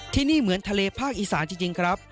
ที่นี่เหมือนทะเลภาคอีสานจริงครับ